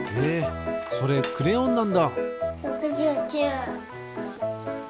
えっそれクレヨンなんだ！